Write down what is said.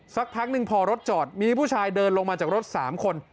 สักพักหนึ่งพอรถจอดมีผู้ชายเดินลงมาจากรถ๓คน